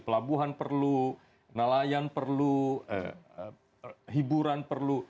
pelabuhan perlu nelayan perlu hiburan perlu